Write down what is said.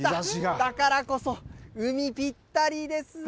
だからこそ海、ぴったりですね。